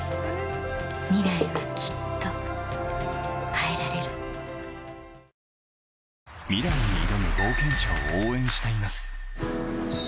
ミライはきっと変えられるミライに挑む冒険者を応援しています